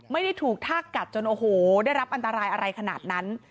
ไม่ได้ถูกทากกัดจนโอ้โหได้รับอันตรายอะไรขนาดนั้น